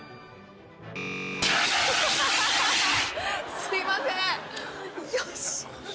すいませんよし